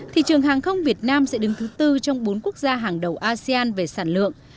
thị trường hàng không việt nam sẽ đứng thứ bốn trong bốn quốc gia hàng đầu asean về sản lượng